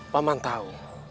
pak man tahu